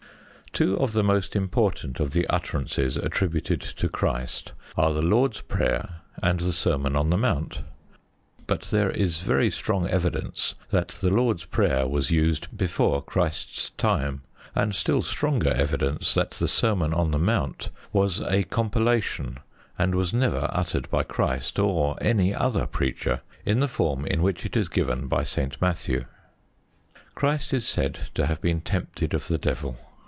Two of the most important of the utterances attributed to Christ are the Lord's Prayer and the Sermon on the Mount. But there is very strong evidence that the Lord's Prayer was used before Christ's time, and still stronger evidence that the Sermon on the Mount was a compilation, and was never uttered by Christ or any other preacher in the form in which it is given by St. Matthew. Christ is said to have been tempted of the Devil.